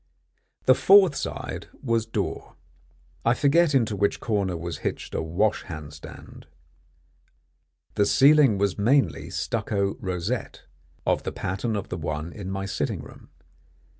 The fourth side was door. I forget into which corner was hitched a wash hand stand. The ceiling was mainly stucco rosette, of the pattern of the one in my sitting room.